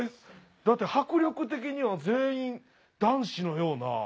だって迫力的には全員男子のような。